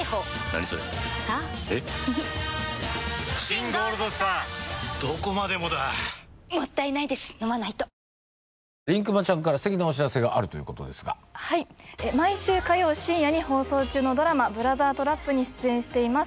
りんくまちゃんから素敵なお知らせがあるということですが毎週火曜深夜に放送中のドラマ「ブラザー・トラップ」に出演しています